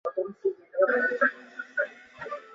贝里也有良好的表现。